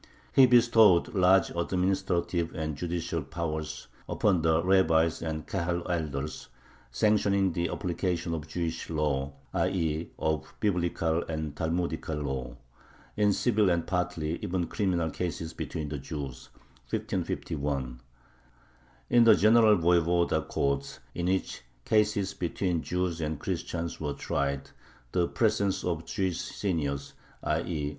He bestowed large administrative and judicial powers upon the rabbis and Kahal elders, sanctioning the application of "Jewish law" (i. e. of Biblical and Talmudical law) in civil and partly even criminal cases between Jews (1551). In the general voyevoda courts, in which cases between Jews and Christians were tried, the presence of Jewish "seniors," _i.